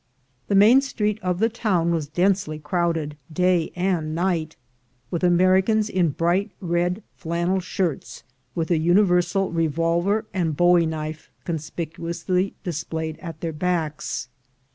The main street of the town was densely crowded, day and night, with Americans in bright red flannel shirts, with the universal revolver and bowie knife conspicuously displayed at their backs.